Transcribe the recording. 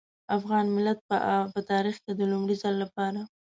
افغان ملت په تاريخ کې د لومړي ځل لپاره.